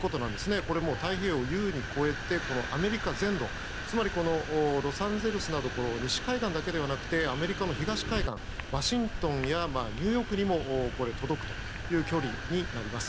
これもう太平洋を優に超えてアメリカ全土つまり、ロサンゼルスなど西海岸だけではなくアメリカの東海岸、ワシントンやニューヨークにも届く距離です。